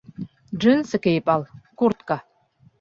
Джинсы кейеп ал, куртка.